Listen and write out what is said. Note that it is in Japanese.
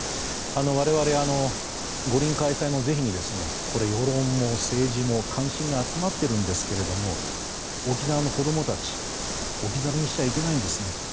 我々、五輪開催の是非に世論も政治も関心が集まっているんですが沖縄の子供たち置き去りにしちゃいけないんです。